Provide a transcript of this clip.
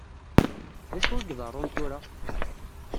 Dacu i iḍeṛṛun tura?